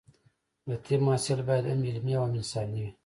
د طب محصل باید هم علمي او هم انساني وي.